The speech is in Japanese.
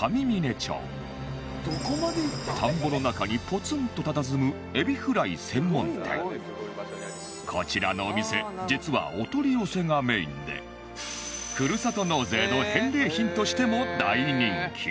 田んぼの中にぽつんとたたずむこちらのお店実はお取り寄せがメインでふるさと納税の返礼品としても大人気